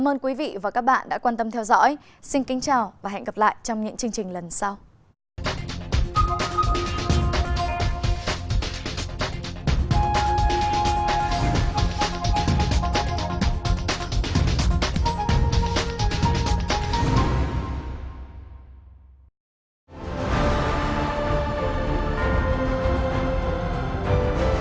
hẹn gặp lại các bạn trong những video tiếp theo